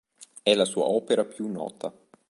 È la sua opera più nota.